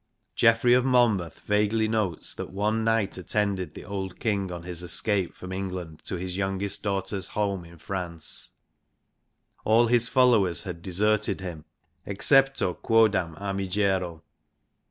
Geoffrey of Monmouth vaguely notes that one knight attended the old King on his escape from England to his youngest daughter's home in France ; all his followers had deserted him ' excepto quodam armigero.'